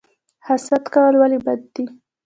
حسد کول ولې بد دي؟